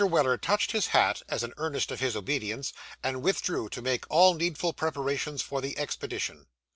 Weller touched his hat, as an earnest of his obedience, and withdrew to make all needful preparations for the expedition.